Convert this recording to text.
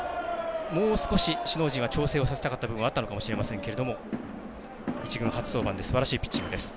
もう少し首脳陣は調整させたかった面があったのかもしれませんが１軍初登板ですばらしいピッチングです。